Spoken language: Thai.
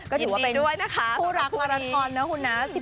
ก็ถือว่าเป็นผู้รักวันละครนะคุณนะ